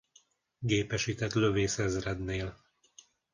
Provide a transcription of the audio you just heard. Gépesített Lövészezrednél.